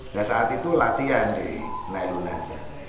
dan saat itu latihan di nailunaja